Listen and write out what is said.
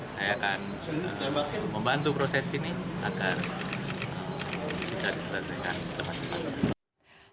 saya akan membantu proses ini agar bisa diperhatikan secepat cepat